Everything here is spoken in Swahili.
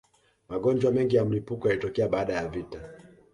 magonjwa mengi ya mlipuko yalitokea baada ya vita